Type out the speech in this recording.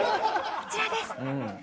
こちらです。